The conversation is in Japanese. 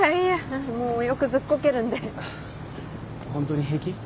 ホントに平気？